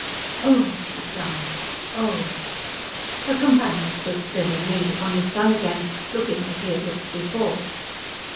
"Oh!" she sighed, "Oh!" Her companion stood still and leaned upon his gun again, looking as he had looked before.